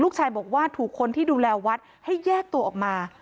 ชายบอกว่าถูกคนที่ดูแลวัดให้แยกตัวออกมา